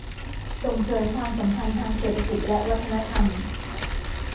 ส่งเสริมความสัมพันธ์ทางเศรษฐกิจและวัฒนธรรม